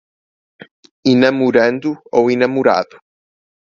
enamorando ou enamorado